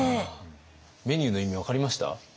メニューの意味分かりました？